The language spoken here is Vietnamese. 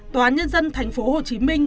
tòa án nhân dân thành phố hồ chí minh